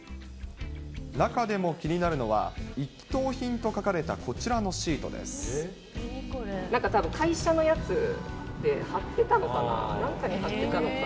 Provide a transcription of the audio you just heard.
中でも気になるのは、一等品なんかたぶん会社のやつで、貼ってたのかな、何かに貼ってたのか。